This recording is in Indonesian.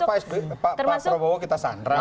masa pak prabowo kita sandra ya